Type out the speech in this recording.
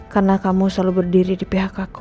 karena kamu selalu berdiri di pihak aku